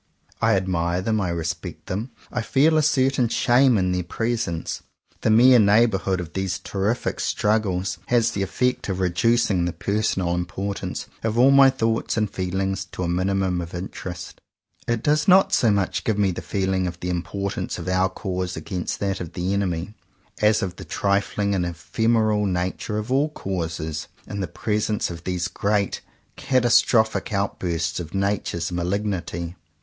I admire them; I respect them; I feel a certain shame in their presence. The mere neigh bourhood of these terrific struggles has the 142 JOHN COWPER POWYS effect of reducing the personal importance of all my thoughts and feelings to a mini mum of interest. It does not so much give me the feeling of the importance of our cause against that of the enemy, as of the trifling and ephemeral nature of all causes, in the presence of these great catastrophic outbursts of nature's malignity.